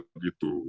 mau wisata juga